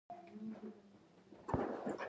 له ژبې پرته دا همکاري ناشونې وه.